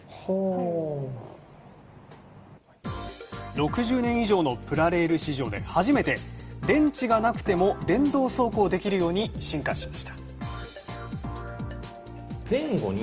６０年以上のプラレール史上で初めて電池がなくても電動走行できるように進化しました。